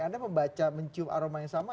anda membaca mencium aroma yang sama